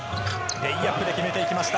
レイアップで決めていきました。